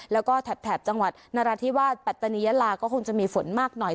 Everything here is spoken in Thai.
แล้วก็แถบจังหวัดนราธิวาสปัตตานียะลาก็คงจะมีฝนมากหน่อย